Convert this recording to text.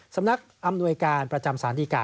สำนักอำนวยการประจำสารดีกา